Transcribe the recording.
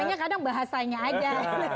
hanya kadang bahasanya aja